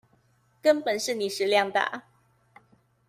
根本是你食量大